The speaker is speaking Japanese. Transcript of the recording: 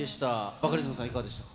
バカリズムさん、いかがでした？